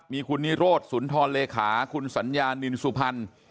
มีคุณนิโรธสุนทรเลขาคุณสัญญานินสุพรรณ